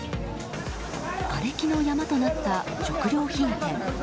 がれきの山となった食料品店。